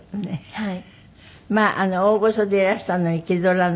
はい。